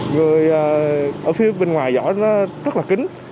người ở phía bên ngoài giỏi nó rất là kính